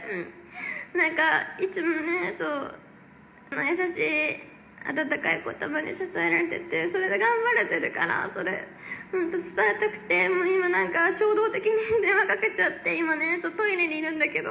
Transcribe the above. なんか、いつもね、優しい温かいことばに支えられてて、それで頑張れてるから、それ、伝えたくて、今、なんか衝動的に電話かけちゃって、今、トイレにいるんだけど。